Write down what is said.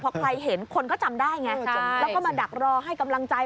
พอใครเห็นคนก็จำได้ไงแล้วก็มาดักรอให้กำลังใจ